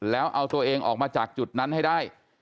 แล้วเอาตัวเองออกมาจากจุดนั้นให้ได้